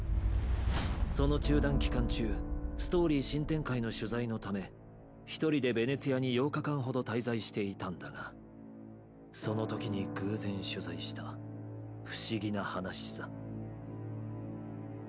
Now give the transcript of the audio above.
その中断期間中ストーリー新展開の取材のため一人でヴェネツィアに８日間ほど滞在していたんだがその時に偶然取材した不思議な話さ。